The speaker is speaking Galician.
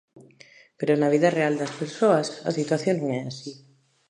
Pero na vida real das persoas, a situación non é así.